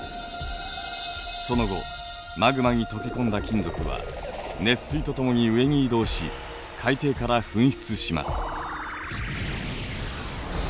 その後マグマに溶け込んだ金属は熱水と共に上に移動し海底から噴出します。